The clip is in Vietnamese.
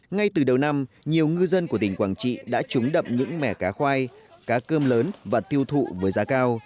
ngay từ đầu năm nhiều ngư dân của tỉnh quảng trị đã trúng đậm những mẻ cá khoai cá cơm lớn và tiêu thụ với giá cao